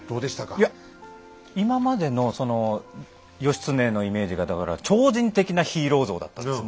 いや今までのその義経のイメージがだから超人的なヒーロー像だったんですよ。